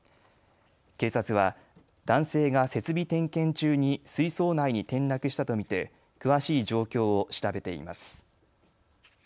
警察は男性が設備点検中に水槽内に転落したと見て詳しい状況を調べています。